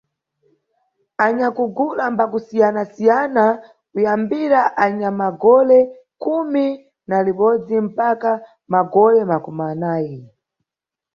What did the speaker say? Anyakugula mba kusiyanasiyana, kuyambira anyamagole khumi na libodzi mpaka magole makumanayi.